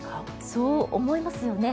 そう思いますよね。